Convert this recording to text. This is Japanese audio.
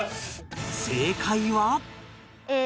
正解は